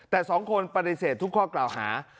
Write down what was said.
แต่สองคนปฏิเสธทุกข้อกล่าวหา